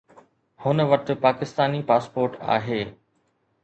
هن وٽ پاڪستاني پاسپورٽ آهي